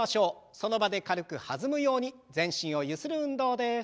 その場で軽く弾むように全身をゆする運動です。